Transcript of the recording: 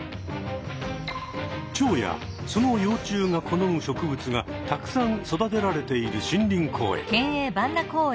チョウやその幼虫が好む植物がたくさん育てられている森林公園。